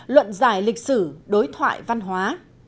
luận giải lịch sử đối thoại văn hóa